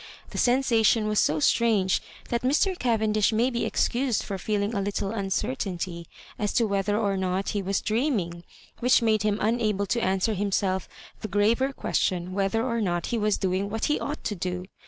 The sensation was so strange that Mr. Cavendish may be excused for feeling a little uncertainty as to whether or not he was dreaming, which made him unable to answer himself the graver question whether or not he was doing what he ought to do.